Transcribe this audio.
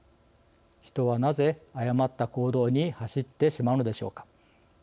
人はなぜ誤った行動に走ってしまうのでしょうか。